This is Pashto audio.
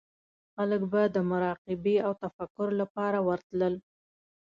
خلک به د مراقبې او تفکر لپاره ورتلل.